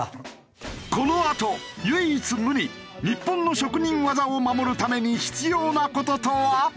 このあと唯一無二日本の職人技を守るために必要な事とは？